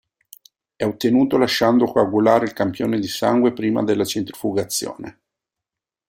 È ottenuto lasciando coagulare il campione di sangue prima della centrifugazione.